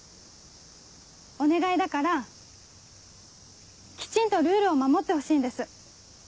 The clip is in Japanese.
お願いだからきちんとルールを守ってほしいんです。